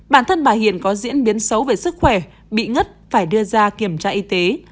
bản thân bà hiền có diễn biến xấu về sức khỏe bị ngất phải đưa ra kiểm tra y tế